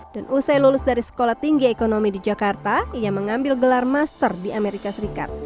dan usai lulus dari sekolah tinggi ekonomi di jakarta ia mengambil gelar master di amerika serikat